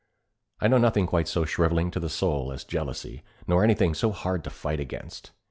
I know nothing quite so shriveling to the soul as jealousy, nor anything so hard to fight against.